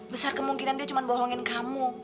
besar kemungkinan dia cuma bohongin kamu